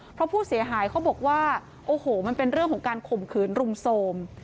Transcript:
เพราะผู้เสียหายเขาบอกว่าโอ้โหมันเป็นเรื่องของการข่มขืนรุมโทรม